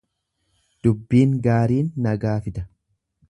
Dubbiin gaariin nagaa fida.